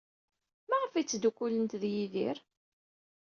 Maɣef ay ttdukkulent ed Yidir?